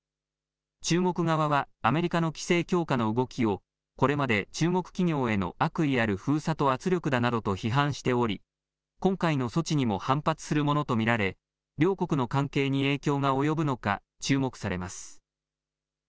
中国側は、アメリカの規制強化の動きを、これまで中国企業への悪意ある封鎖と圧力だなどと批判しており、今回の措置にも反発するものと見られ、両国の関係に影響が及ぶのか、注目されます。